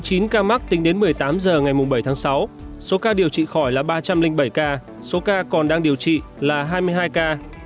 trong chín ca mắc tính đến một mươi tám h ngày bảy tháng sáu số ca điều trị khỏi là ba trăm linh bảy ca số ca còn đang điều trị là hai mươi hai ca